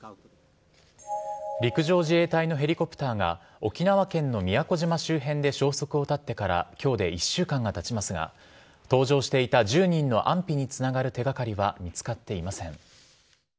陸上自衛隊のヘリコプターが沖縄県の宮古島周辺で消息を絶ってから今日で１週間がたちますが搭乗していた１０人の安否につながる手がかりは見つかっていません。